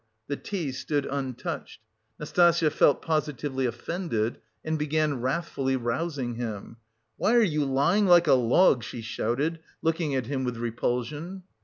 The tea stood untouched. Nastasya felt positively offended and began wrathfully rousing him. "Why are you lying like a log?" she shouted, looking at him with repulsion.